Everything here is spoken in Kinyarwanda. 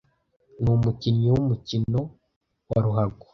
numukinnyi wumukino wa ruhago